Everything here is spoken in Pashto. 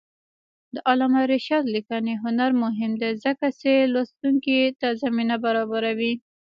د علامه رشاد لیکنی هنر مهم دی ځکه چې لوستونکي ته زمینه برابروي.